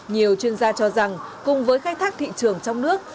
nhiều chuyên gia cho rằng cùng với khai thác thị trường trong nước